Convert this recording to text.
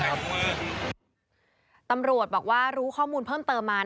ตำรวจบอกว่ารู้ข้อมูลเพิ่มเติมมา